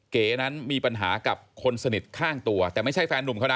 เก๋นั้นมีปัญหากับคนสนิทข้างตัวแต่ไม่ใช่แฟนหนุ่มเขานะ